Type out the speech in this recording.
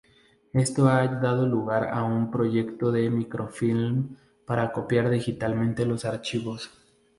Esto ha dado lugar a un proyecto de microfilm para copiar digitalmente los archivos.